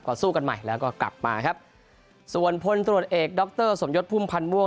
สู้กันใหม่แล้วก็กลับมาครับส่วนพลตรวจเอกดรสมยศพุ่มพันธ์ม่วง